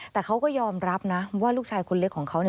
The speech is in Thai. แต่เขาก็ยอมรับนะว่าลูกชายคนเล็กของเขา